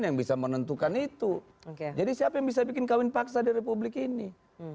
yang bisa menentukan itu jadi siapa yang bisa bikin kawin paksa di republik ini kita juga bisa berpikir